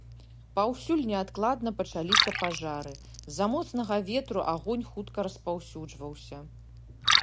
Паўсюль неадкладна пачаліся пажары, з-за моцнага ветру агонь хутка распаўсюджваўся.